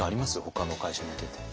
ほかの会社見てて。